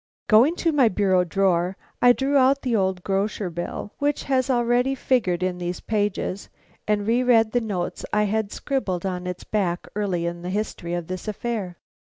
Going to my bureau drawer, I drew out the old grocer bill which has already figured in these pages, and re read the notes I had scribbled on its back early in the history of this affair.